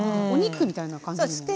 お肉みたいな感じにも。